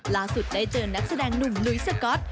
ล่าสุดได้เจอนักแสดงหนุ่มลุยสก๊อต